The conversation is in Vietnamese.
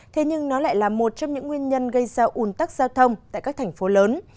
thế nhưng nó lại là một trong những nguyên nhân gây ra ủn tắc giao thông tại các thành phố lớn